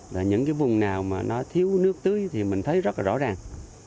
là những cái vùng nào mà nó thiếu nước tưới thì mình thấy rất là rõ ràng